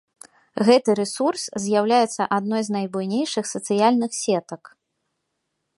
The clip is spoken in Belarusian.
Гэты рэсурс з'яўляецца адной з найбуйнейшых сацыяльных сетак.